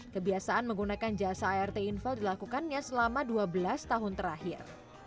kebiasaan menggunakan jasa art inval dilakukannya selama dua belas tahun terakhir